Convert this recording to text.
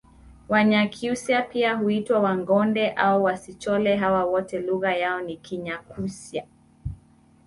Wanyakyusa pia huitwa wangonde au wasichole hawa wote lugha yao ni kinyakyusa